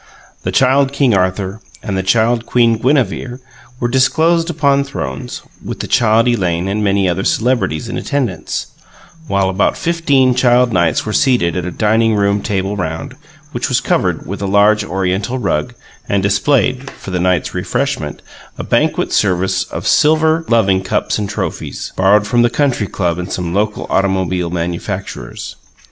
The Child King Arthur and the Child Queen Guinevere were disclosed upon thrones, with the Child Elaine and many other celebrities in attendance; while about fifteen Child Knights were seated at a dining room table round, which was covered with a large Oriental rug, and displayed (for the knights' refreshment) a banquet service of silver loving cups and trophies, borrowed from the Country Club and some local automobile manufacturers.